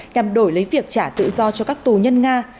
nhằm đổi lấy việc trả tự do cho các tù nhân nga